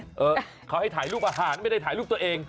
เออเขาให้ถ่ายรูปอาหารไม่ได้ถ่ายรูปตัวเอง